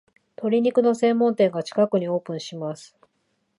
鶏肉の専門店が近くにオープンします